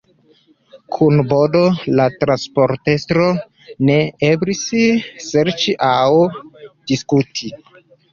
Kun Bodo, la transportestro, ne eblis ŝerci aŭ diskuti.